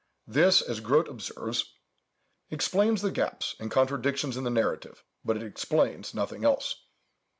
This, as Grote observes, "explains the gaps and contradictions in the narrative, but it explains nothing else."